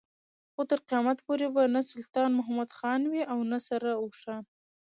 خو تر قيامت پورې به نه سلطان محمد خان وي او نه سره اوښان.